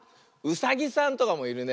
ウサギさんとかもいるね。